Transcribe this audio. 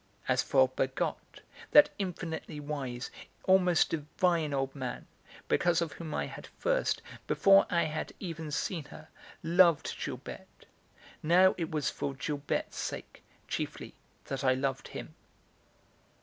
As for Bergotte, that infinitely wise, almost divine old man, because of whom I had first, before I had even seen her, loved Gilberte, now it was for Gilberte's sake, chiefly, that I loved him.